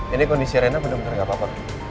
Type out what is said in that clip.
ini kondisi rena bener bener gak apa apa